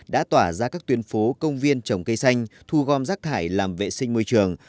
đã tỏa ra các tuyến phố công viên trồng cây xanh thu gom rác thải làm vệ sinh môi trường